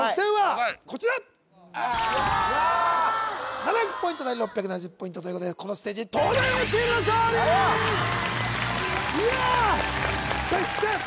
７００ポイント対６７０ポイントということでこのステージいや接戦！